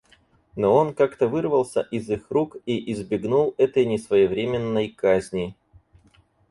Но он как-то вырвался из их рук и избегнул этой несвоевременной казни.